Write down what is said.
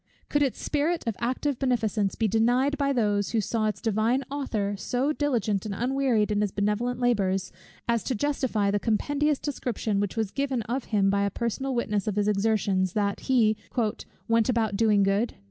Could its spirit of active beneficence be denied by those, who saw its Divine Author so diligent and unwearied in his benevolent labours, as to justify the compendious description which was given of him by a personal witness of his exertions, that he "went about doing good?"